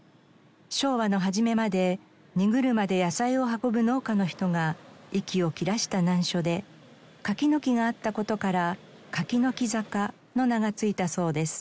昭和の初めまで荷車で野菜を運ぶ農家の人が息を切らした難所で柿の木があった事から「柿の木坂」の名が付いたそうです。